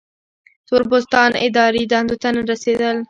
تور پوستان اداري دندو ته نه رسېدل.